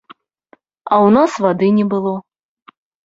А ў нас вады не было.